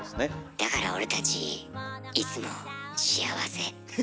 だから俺たちいつも幸せ。